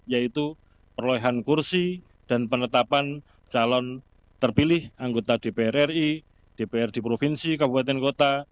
yaitu perolehan kursi dan penetapan calon terpilih anggota dpr ri dprd provinsi kabupaten kota